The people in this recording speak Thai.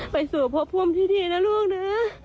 ไปสู่ควบคุมที่ดีนะลูกนะ